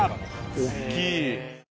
大っきい！